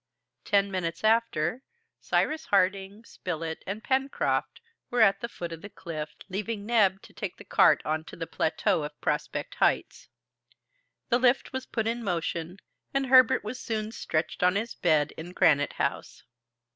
Ten minutes after, Cyrus Harding, Spilett, and Pencroft were at the foot of the cliff, leaving Neb to take the cart on to the plateau of Prospect Heights. The lift was put in motion, and Herbert was soon stretched on his bed in Granite House.